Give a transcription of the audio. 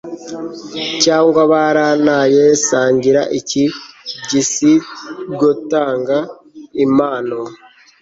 cyangwa barantaye.sangira iki gisigotanga impano